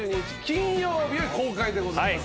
金曜日に公開でございます。